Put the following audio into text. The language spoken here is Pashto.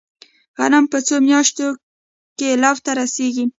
غنم په څو میاشتو کې لو ته رسیږي؟